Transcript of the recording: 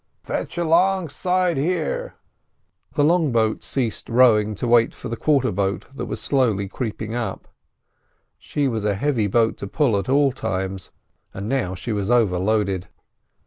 "Fetch alongside here!" The long boat ceased rowing to wait for the quarter boat that was slowly creeping up. She was a heavy boat to pull at all times, and now she was overloaded.